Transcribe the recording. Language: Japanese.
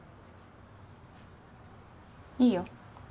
いいよ。